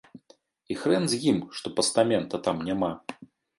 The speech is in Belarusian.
І хрэн з ім, што пастамента там няма.